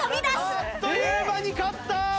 あっという間に勝った！